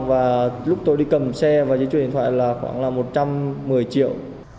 và lúc tôi đi cầm xe và đi chuyển điện thoại là khoảng một trăm một mươi triệu